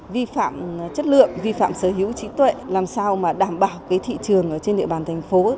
vi phạm chất lượng vi phạm sở hữu trí tuệ làm sao mà đảm bảo thị trường trên địa bàn thành phố